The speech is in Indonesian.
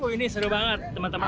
ini seru banget teman teman